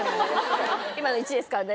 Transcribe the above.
「今の１ですからね」